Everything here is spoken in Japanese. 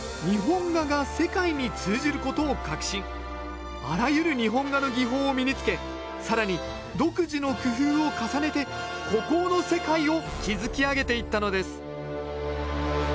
大観はあらゆる日本画の技法を身につけ更に独自の工夫を重ねて孤高の世界を築き上げていったのです